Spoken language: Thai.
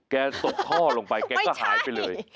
ตกท่อลงไปแกก็หายไปเลย